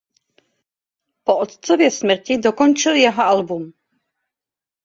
Po otcově smrti dokončil jeho album.